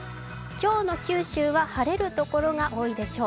今日の九州は晴れるところが多いでしょう。